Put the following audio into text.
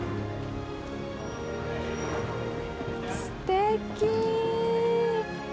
すてき。